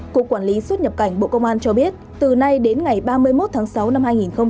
cục quản lý xuất nhập cảnh bộ công an cho biết từ nay đến ngày ba mươi một tháng sáu năm hai nghìn hai mươi